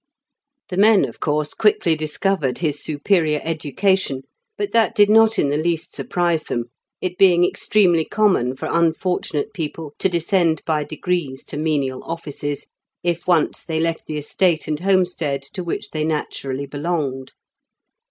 The men, of course, quickly discovered his superior education, but that did not in the least surprise them, it being extremely common for unfortunate people to descend by degrees to menial offices, if once they left the estate and homestead to which they naturally belonged.